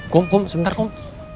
kum kum sebentar kum